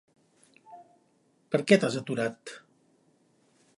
Perquè t'has aturat?